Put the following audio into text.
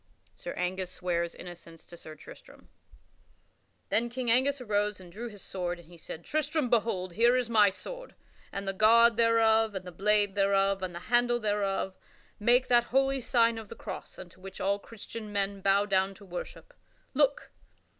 [Sidenote: King Angus swears innocence to Sir Tristram] Then King Angus arose and drew his sword and he said: "Tristram, behold; here is my sword and the guard thereof and the blade thereof and the handle thereof make that holy sign of the cross unto which all Christian men bow down to worship. Look!